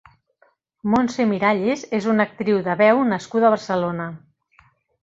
Montse Miralles és una actriu de veu nascuda a Barcelona.